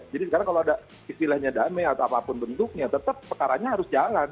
jadi sekarang kalau ada istilahnya damai atau apapun bentuknya tetap pekaranya harus jalan